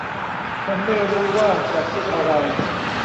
ฉันไม่รู้ว่าจะคิดอะไร